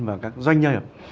và các doanh nhân